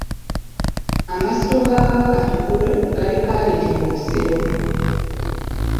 Amasiro ga Kabaka Kikulwe gali Kkaaliiti mu Busiro.